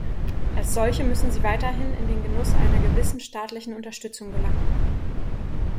Als solche müssen sie weiterhin in den Genuß einer gewissen staatlichen Unterstützung gelangen.